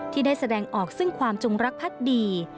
ที่ได้แสดงออกซึ่งความจงรักพักดี